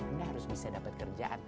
anda harus bisa dapat kerjaan